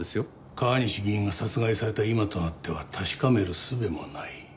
川西議員が殺害された今となっては確かめるすべもない。